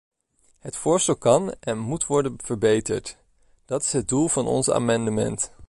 Het voorstel kan en moet worden verbeterd: dat is het doel van onze amendementen.